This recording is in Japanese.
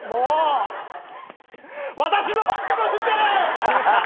私のバッグも振ってる！